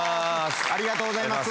ありがとうございます。